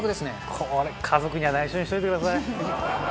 これ家族には内緒にしといてください。